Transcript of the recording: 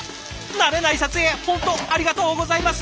慣れない撮影本当ありがとうございます。